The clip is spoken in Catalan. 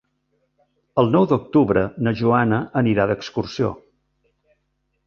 El nou d'octubre na Joana anirà d'excursió.